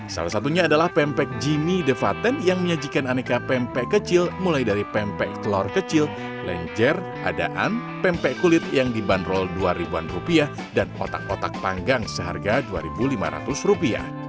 salah satunya adalah pempek jimmy devaten yang menyajikan aneka pempek kecil mulai dari pempek telur kecil lenjer adaan pempek kulit yang dibanderol rp dua dan otak otak panggang seharga rp dua lima ratus